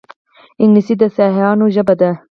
انګلیسي د سیاحانو ژبه ده